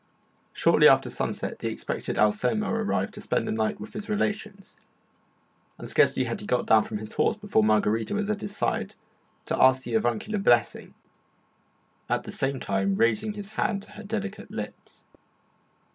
Shortly after sunset the expected Anselmo arrived to spend the night with his relations, and scarcely had he got down from his horse before Margarita was at his side to ask the avuncular blessing, at the same time raising his hand to her delicate lips.